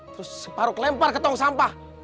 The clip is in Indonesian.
terus si paruk lempar ke tong sampah